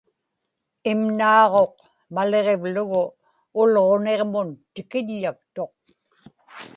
imnaaġuq maliġivlugu Ulġuniġmun tikiḷḷaktuq